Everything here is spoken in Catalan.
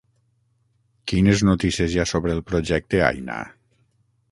Quines notícies hi ha sobre el projecte Aina?